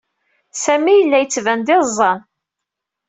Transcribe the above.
Sami yella yettban d iẓẓan.